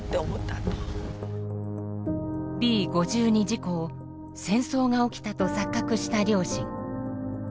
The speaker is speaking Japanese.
Ｂ５２事故を戦争が起きたと錯覚した両親。